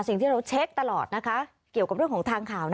สิ่งที่เราเช็คตลอดนะคะเกี่ยวกับเรื่องของทางข่าว